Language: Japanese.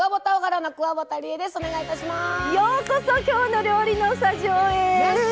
ようこそ「きょうの料理」のスタジオへ。